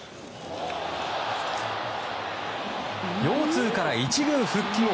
腰痛から１軍復帰後